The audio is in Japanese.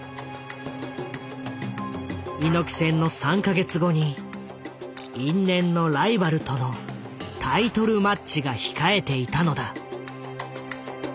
猪木戦の３か月後に因縁のライバルとのタイトルマッチが控えていたのだ。